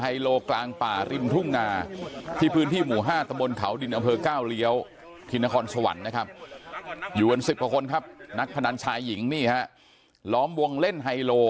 อยู่กัน๑๐กว่าคนครับนักพนันชายหญิงนี่ฮะล้อมวงเล่นไฮโล